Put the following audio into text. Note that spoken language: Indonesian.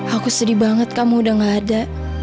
aku sedih banget kamu udah gak ada